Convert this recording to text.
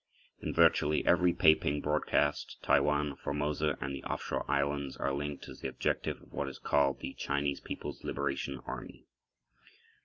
In virtually every Peiping broadcast Taiwan (Formosa) and the offshore islands are linked as the objective of what is called the "Chinese Peoples Liberation Army."